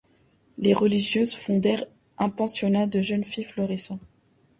Les religieuses fondèrent un pensionnat de jeunes filles florissant.